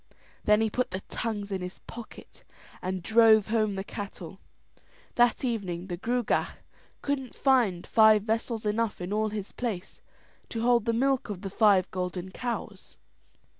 Then he put the tongues in his pocket and drove home the cattle. That evening the Gruagach couldn't find vessels enough in all his place to hold the milk of the five golden cows.